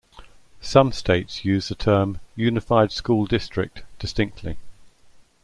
Some states use the term "unified school district" distinctly.